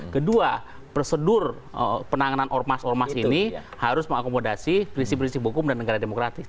kedua prosedur penanganan ormas ormas ini harus mengakomodasi prinsip prinsip hukum dan negara demokratis